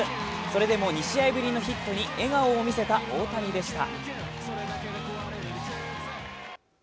それでも２試合ぶりのヒットに笑顔の大谷でした。